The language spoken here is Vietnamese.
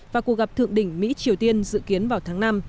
và cuộc gặp thượng đỉnh mỹ triều tiên dự kiến vào tháng năm